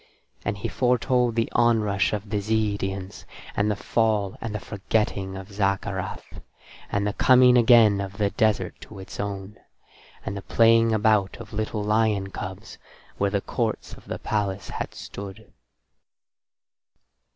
And he foretold the onrush of the Zeedians, and the fall and the forgetting of Zaccarath, and the coming again of the desert to its own, and the playing about of little lion cubs where the courts of the palace had stood.